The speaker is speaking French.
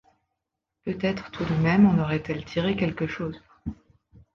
Peut-être tout de même en aurait-elle tiré quelque chose.